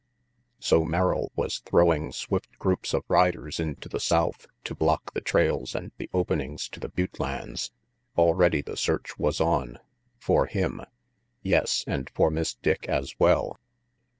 So Merrill was throwing swift groups of riders into the south, to block the trails and the openings to the butte lands. Already the search was on for him yes, and for Miss Dick as well!